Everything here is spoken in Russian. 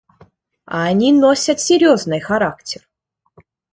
А они носят серьезный характер.